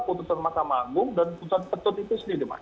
putusan makam agung dan putusan petun itu sendiri mas